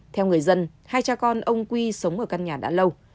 theo người dân hai cha con ông quy sống ở căn nhà đã lâu